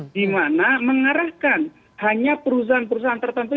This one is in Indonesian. di mana mengarahkan hanya perusahaan perusahaan tertentu